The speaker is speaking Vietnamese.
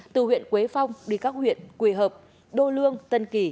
từ huyện quế phong đi các huyện quỳ hợp đô lương tân kỳ